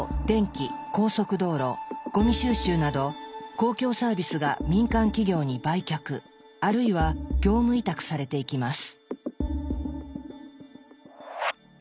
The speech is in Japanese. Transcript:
公共サービスが民間企業に売却あるいは業務委託されていきます。